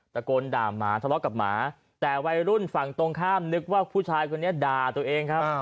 ตะโกนด่าหมาทะเลาะกับหมาแต่วัยรุ่นฝั่งตรงข้ามนึกว่าผู้ชายคนนี้ด่าตัวเองครับ